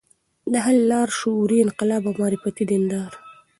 د حل لار: شعوري انقلاب او معرفتي دینداري